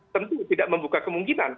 tentu tidak membuka kemungkinan